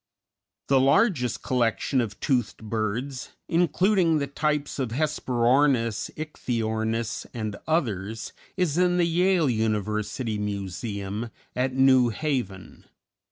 The largest collection of toothed birds, including the types of Hesperornis, Ichthyornis and others, is in the Yale University Museum, at New Haven.